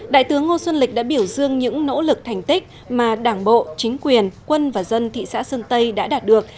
đại tướng ngô xuân lịch đã biểu dương những nỗ lực thành tích mà đảng bộ chính quyền quân và dân thị xã sơn tây đã đạt được